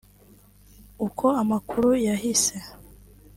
Uko amakuru yahise